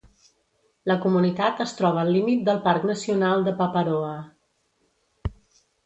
La comunitat es troba al límit del Parc Nacional de Paparoa.